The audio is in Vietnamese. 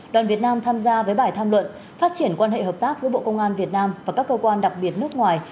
đoàn việt nam tham gia với bài tham luận phát triển quan hệ hợp tác giữa bộ công an việt nam và các cơ quan đặc biệt nước ngoài